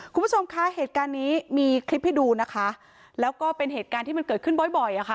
คุณผู้ชมคะเหตุการณ์นี้มีคลิปให้ดูนะคะแล้วก็เป็นเหตุการณ์ที่มันเกิดขึ้นบ่อยบ่อยอ่ะค่ะ